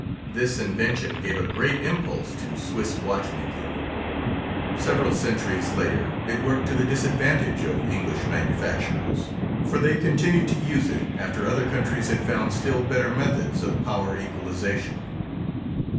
This invention gave a great impulse to Swiss watchmaking; several centuries later it worked to the disadvantage of English manufacturers, for they continued to use it after other countries had found still better methods of power equalization.